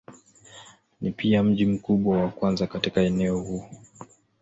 Ni pia mji mkubwa wa kwanza katika eneo huu.